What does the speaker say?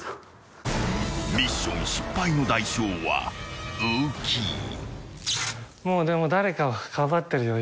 ［ミッション失敗の代償は大きい］